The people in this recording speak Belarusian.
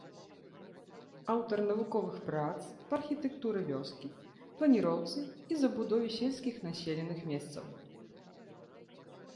Аўтар навуковых прац па архітэктуры вёскі, планіроўцы і забудове сельскіх населеных месцаў.